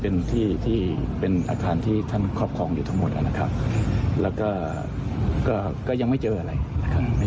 นี่เป็นอาถารย์ที่ท่านครอบครองอยู่ทั้งหมดแล้วก็ยังไม่เจออะไร